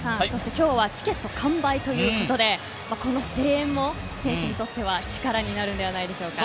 今日はチケット完売ということでこの声援も選手にとっては力になるのではないでしょうか。